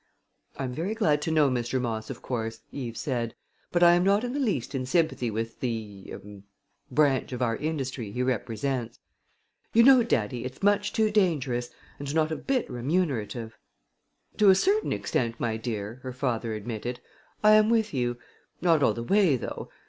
"I am very glad to know Mr. Moss, of course," Eve said; "but I am not in the least in sympathy with the er branch of our industry he represents. You know, daddy, it's much too dangerous and not a bit remunerative." "To a certain extent, my dear," her father admitted, "I am with you. Not all the way, though.